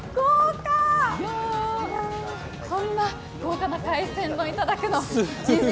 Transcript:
こんな豪華な海鮮丼いただくの人生